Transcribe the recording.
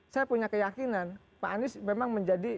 saya punya keyakinan pak anies memang menjadi